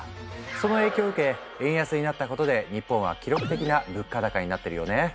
その影響を受け円安になったことで日本は記録的な物価高になってるよね。